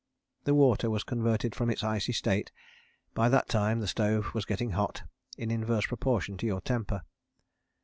The water was converted from its icy state and, by that time, the stove was getting hot, in inverse proportion to your temper.